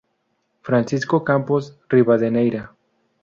Francisco Campos Rivadeneira.